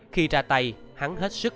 khi ra tay hắn hết sức